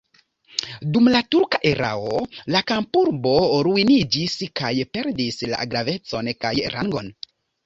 Dum la turka erao la kampurbo ruiniĝis kaj perdis la gravecon kaj rangon.